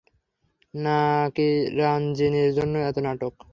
না কি রাঞ্জিনীর জন্য এত নাটক?